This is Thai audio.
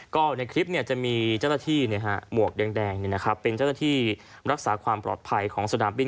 ก็ในคลิปจะมีเจ้าหน้าที่หมวกแดงเป็นเจ้าหน้าที่รักษาความปลอดภัยของสนามบิน